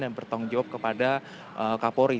yang bertanggung jawab kepada kapolri